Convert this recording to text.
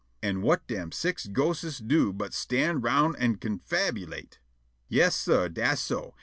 An' whut dem six ghostes do but stand round an' confabulate? Yas, sah, dass so.